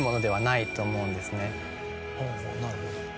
なるほど。